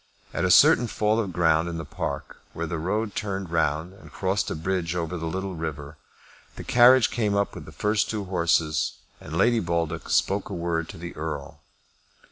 At a certain fall of ground in the park, where the road turned round and crossed a bridge over the little river, the carriage came up with the first two horses, and Lady Baldock spoke a word to the Earl.